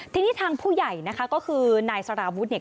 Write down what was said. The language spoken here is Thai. ทีนี้ทางผู้ใหญ่นะคะก็คือนายสารวุฒิเนี่ย